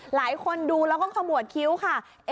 หลายคนดูแล้วก็ขมวดคิ้วค่ะ